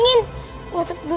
ya aku mau makan